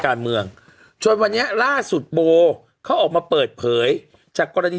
การเมืองจนวันนี้ล่าสุดโบเขาออกมาเปิดเผยจากกรณี